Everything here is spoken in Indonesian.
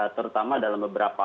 terutama dalam beberapa